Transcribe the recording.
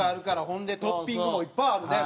ほんでトッピングもいっぱいあるね。